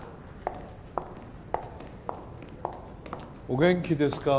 お元気ですか？